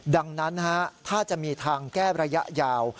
ดังนั้นถ้าจะมีทางแก้ระยะยาว